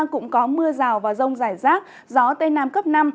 cũng có mưa rào và rông rải rác gió tây nam cấp năm